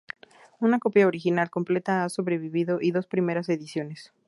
Una copia original completa ha sobrevivido, y dos primeras ediciones.